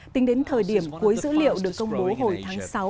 tính đến thời điểm cuối dữ liệu được công bố hồi tháng sáu